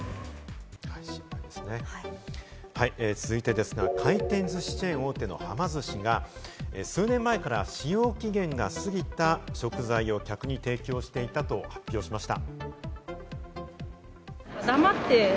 続いてですが、回転寿司チェーン大手のはま寿司が数年前から使用期限が過ぎた食材を客に提供していたと発表しました。